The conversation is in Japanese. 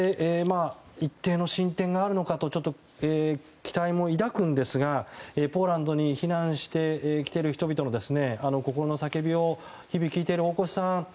一定の進展があるのかとちょっと期待も抱くんですがポーランドに避難してきている人々の心の叫びを日々聞いている大越さん